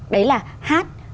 đấy là hát